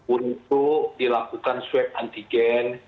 untuk dilakukan swab antigen